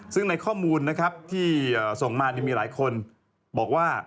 ซึ่งในข้อมูลนะครับที่ส่งมามีหลายคนบอกว่า